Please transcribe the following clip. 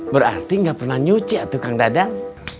berarti gak pernah nyuci ah tukang dadang